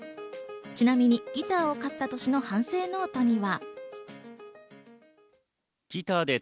ちなみにギターを買った年の反省ノートには。